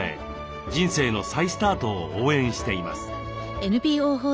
人生の再スタートを応援しています。